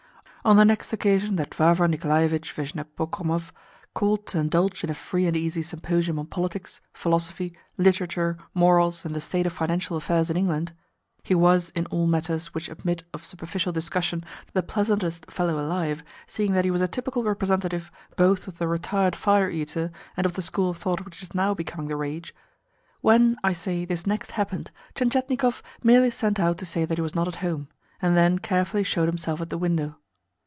On the next occasion that Varvar Nikolaievitch Vishnepokromov called to indulge in a free and easy symposium on politics, philosophy, literature, morals, and the state of financial affairs in England (he was, in all matters which admit of superficial discussion, the pleasantest fellow alive, seeing that he was a typical representative both of the retired fire eater and of the school of thought which is now becoming the rage) when, I say, this next happened, Tientietnikov merely sent out to say that he was not at home, and then carefully showed himself at the window.